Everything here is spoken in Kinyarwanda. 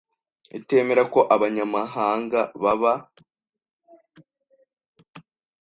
itemera ko abanyamahanga baba